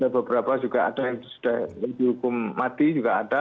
beberapa juga ada yang sudah dihukum mati juga ada